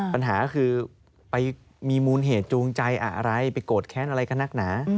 ปัญหาคือไปมีมูลเหตุจูงใจอะไรไปโกรธแค้นอะไรกับนักหนา